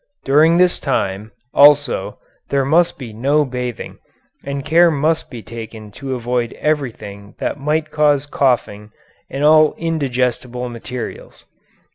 During this time, also, there must be no bathing, and care must be taken to avoid everything that might cause coughing, and all indigestible materials."